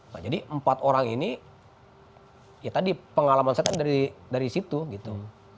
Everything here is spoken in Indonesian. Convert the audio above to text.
nah jadi empat orang ini ya tadi pengalaman saya kan dari situ gitu